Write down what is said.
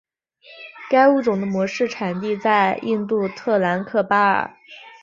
该物种的模式产地在印度特兰克巴尔。